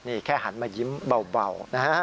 นี่แค่หันมายิ้มเบา